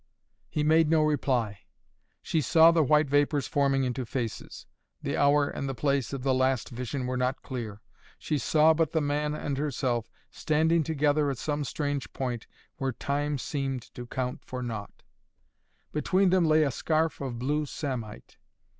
He made no reply. She saw the white vapors forming into faces. The hour and the place of the last vision were not clear. She saw but the man and herself, standing together at some strange point, where time seemed to count for naught. Between them lay a scarf of blue samite.